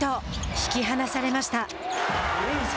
引き離されました。